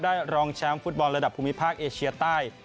รองแชมป์ฟุตบอลระดับภูมิภาคเอเชียใต้